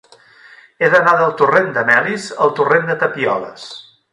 He d'anar del torrent de Melis al torrent de Tapioles.